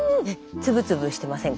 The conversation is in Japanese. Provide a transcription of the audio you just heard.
粒々してませんか？